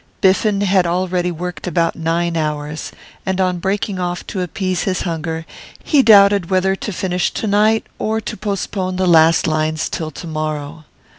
Biffen had already worked about nine hours, and on breaking off to appease his hunger he doubted whether to finish to night or to postpone the last lines till tomorrow.